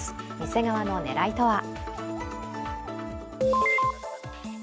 店側の狙いとは？